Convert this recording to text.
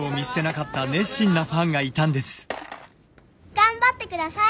頑張って下さい！